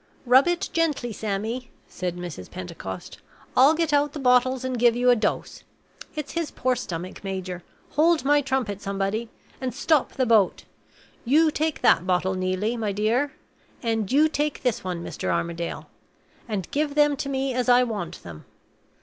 "Rub it gently, Sammy," said Mrs. Pentecost. "I'll get out the bottles and give you a dose. It's his poor stomach, major. Hold my trumpet, somebody and stop the boat. You take that bottle, Neelie, my dear; and you take this one, Mr. Armadale; and give them to me as I want them.